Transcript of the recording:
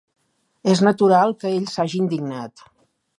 És natural que ell s'hagi indignat.